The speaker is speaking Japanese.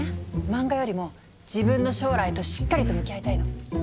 漫画よりも自分の将来としっかりと向き合いたいの。